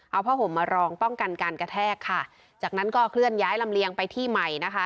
เอาผ้าห่มมารองป้องกันการกระแทกค่ะจากนั้นก็เคลื่อนย้ายลำเลียงไปที่ใหม่นะคะ